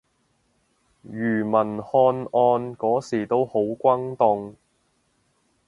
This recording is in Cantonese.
庾文翰案嗰時都好轟動